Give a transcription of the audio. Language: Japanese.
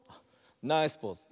ナイスポーズ。